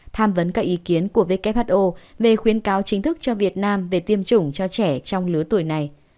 tham vấn các ý kiến của who về khuyến cáo chính thức cho việt nam về tiêm chủng cho trẻ trong lứa tuổi này